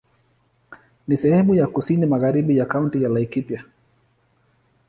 Ni sehemu ya kusini magharibi ya Kaunti ya Laikipia.